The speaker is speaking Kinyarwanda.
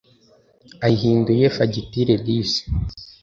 ayihinduye fagitire disi